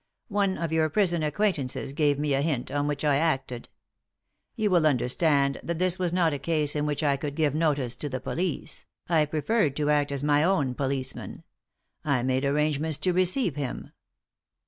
One of your prison acquaintances gave me a hint, on which I acted. You will understand that this was not a case in which I could give notice to the police ; I preferred to act as my own policeman. I made arrangements to receive him."